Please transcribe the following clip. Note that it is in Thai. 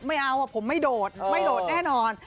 ไม่เอาผมไม่โดดไม่โดดแน่นอน